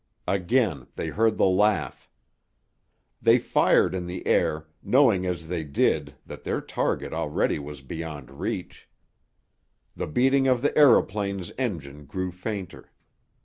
Again they heard the laugh. They fired in the air, knowing as they did that their target already was beyond reach. The beating of the aëroplane's engine grew fainter.